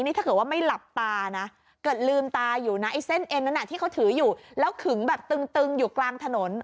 นี่ถ้าเกิดว่าไม่หลับตานะเกิดลืมตาอยู่นะไอ้เส้นเอ็นนั้นที่เขาถืออยู่แล้วขึงแบบตึงอยู่กลางถนน